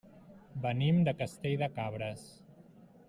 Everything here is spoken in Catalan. Venim de Castell de Cabres.